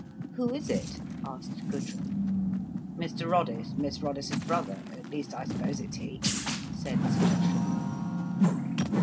"Who is it?" asked Gudrun. "Mr Roddice—Miss Roddice's brother—at least, I suppose it's he," said Sir Joshua.